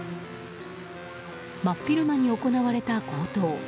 真っ昼間に行われた強盗。